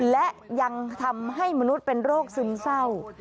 และยังทำให้มนุษย์เป็นโรคซึมเศร้า